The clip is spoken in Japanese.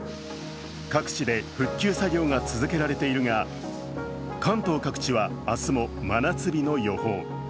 各地で復旧作業が続けられているが関東各地は明日も真夏日の予報。